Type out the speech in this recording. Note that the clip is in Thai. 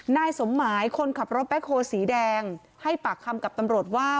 นายสมหมายคนขับรถแบ็คโฮสีแดงให้ปากคำกับตำรวจว่า